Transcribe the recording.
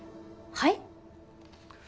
はい？